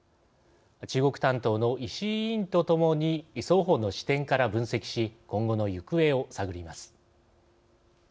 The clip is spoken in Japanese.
中国担当の石井委員とともに双方の視点から分析し今後の行方を探ります。